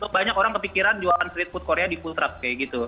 banyak orang kepikiran jualan street food korea di food truck kayak gitu